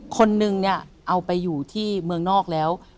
คนนึงเนี่ยเอาไปอยู่ที่เมืองนอกแล้ว